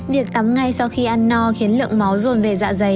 việc tắm ngay sau khi ăn no khiến lượng máu rồn về dạ dày